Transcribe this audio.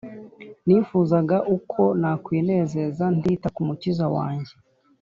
Nifuzaga uko nakwinezeza ntita ku mukiza wanjye